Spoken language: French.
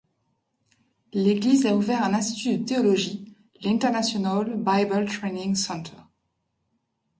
L'église a ouvert un institut de théologie, l'International Bible Training Centre.